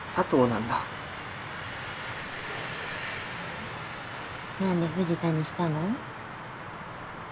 なんで藤田にしたの？